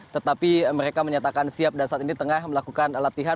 tetapi mereka menyatakan siap dan saat ini tengah melakukan latihan